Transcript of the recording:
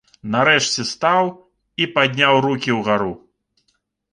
Нарэшце стаў і падняў рукі ўгару.